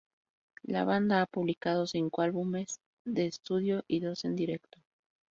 La banda ha publicado cinco álbumes de estudio y dos en directo.